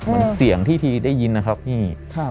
มันเสียงที่ทีได้ยินนะครับพี่